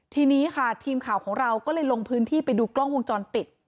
ทีนี้ค่ะทีมข่าวของเราก็เลยลงพื้นที่ไปดูกล้องวงจรปิด